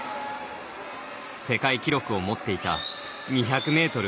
世界記録を持っていた２００メートル